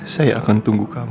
saya akan tunggu kamu